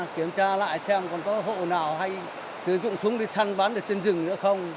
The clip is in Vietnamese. kiểm tra lại xem còn có hộ nào hay sử dụng súng để săn bắn trên rừng nữa không